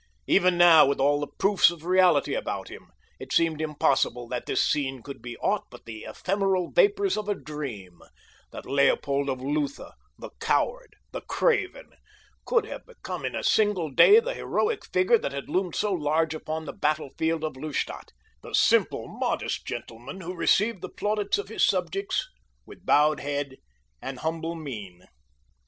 Even now with all the proofs of reality about him, it seemed impossible that this scene could be aught but the ephemeral vapors of a dream—that Leopold of Lutha, the coward, the craven, could have become in a single day the heroic figure that had loomed so large upon the battlefield of Lustadt—the simple, modest gentleman who received the plaudits of his subjects with bowed head and humble mien.